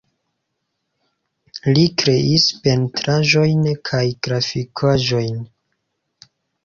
Li kreis pentraĵojn kaj grafikaĵojn.